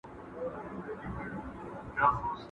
شاعرانو ته به وخت پر وخت جايزې ورکولې شوې او هغوی به تشويقېدل.